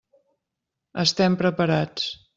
Estem preparats.